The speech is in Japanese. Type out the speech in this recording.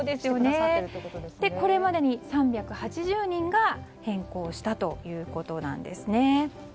これまでに３８０人が変更したということなんです。